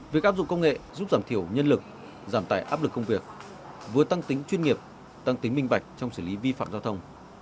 việc áp dụng công nghệ giúp giảm thiểu nhân lực giảm tải áp lực công việc vừa tăng tính chuyên nghiệp tăng tính minh bạch trong xử lý vi phạm giao thông